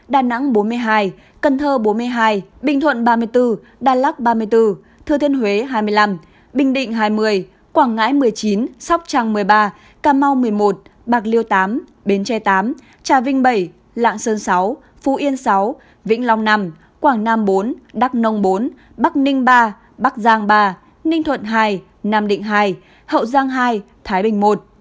đà nẵng bốn mươi hai cần thơ bốn mươi hai bình thuận ba mươi bốn đà lắc ba mươi bốn thư thiên huế hai mươi năm bình định hai mươi quảng ngãi một mươi chín sóc trăng một mươi ba cà mau một mươi một bạc liêu tám bến tre tám trà vinh bảy lạng sơn sáu phú yên sáu vĩnh long năm quảng nam bốn đắk nông bốn bắc ninh ba bắc giang ba ninh thuận hai nam định hai hậu giang hai thái bình một